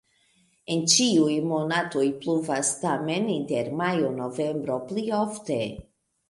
En ĉiuj monatoj pluvas, tamen inter majo-novembro pli ofte.